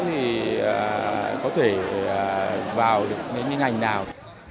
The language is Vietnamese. thì có thể vào những ngành nào